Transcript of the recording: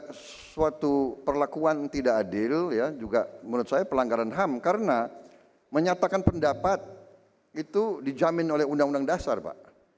ada suatu perlakuan tidak adil ya juga menurut saya pelanggaran ham karena menyatakan pendapat itu dijamin oleh undang undang dasar pak